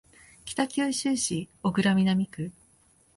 北九州市小倉南区